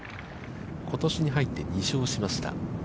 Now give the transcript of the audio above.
ことしに入って２勝しました。